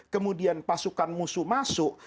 kemudian pasukan musuh masuk